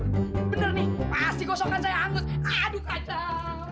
bener nih pasti kosongan saya hangus aduh kacau